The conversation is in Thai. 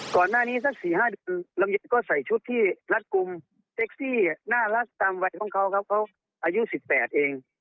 ก่อนหน้านี้สักสี่ห้าเดือนลำเย็นก็ใส่ชุดที่รัฐกลุ่มเซ็กซี่น่ารักตามวัยของเขาครับเขาอายุสิบแปดเอง